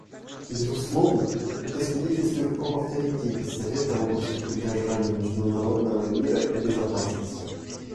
Безусловно, это свидетельствует об авторитете Совета в области поддержания международного мира и безопасности.